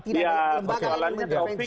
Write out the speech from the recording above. tidak ada lembaga yang memperkuat kpk